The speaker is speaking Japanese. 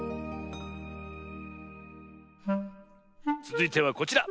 つづいてはこちら。